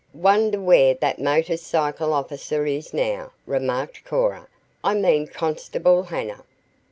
"Wonder where that motor cycle officer is now?" remarked Cora. "I mean Constable Hanna."